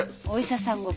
お医者さん